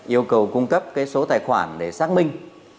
yêu cầu cung cấp số tài khoản để xác minh